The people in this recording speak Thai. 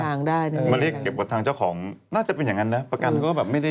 ไม่เคยอยากมีทางได้มาเรียกเก็บกับเจ้าของน่าจะเป็นอย่างนั้นนะประกันก็แบบไม่ได้